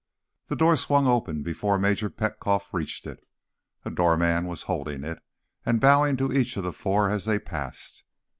The door swung open before Major Petkoff reached it. A doorman was holding it, and bowing to each of the four as they passed.